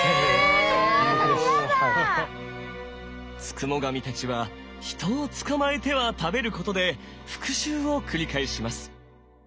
付喪神たちは人を捕まえては食べることで復讐を繰り返します。